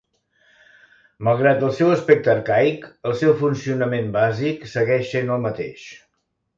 Malgrat el seu aspecte arcaic, el seu funcionament bàsic segueix sent el mateix.